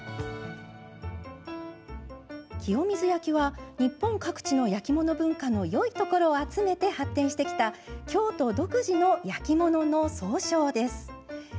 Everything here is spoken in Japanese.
清水焼は日本各地の焼き物文化のよいところを集めて発展してきた京都独自の焼き物の総称です。